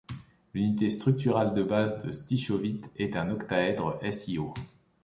L'unité structurale de base de stishovite est un octaèdre SiO.